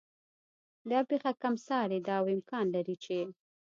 دا پېښه کم سارې ده او امکان لري چې